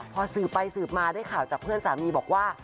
พอสืบไปสืบมาได้ข่าวจากเพื่อนสามีบอกว่า